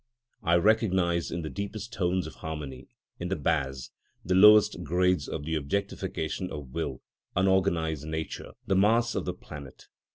I recognise in the deepest tones of harmony, in the bass, the lowest grades of the objectification of will, unorganised nature, the mass of the planet.